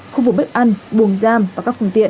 khu vực bếp ăn buồng giam và các phương tiện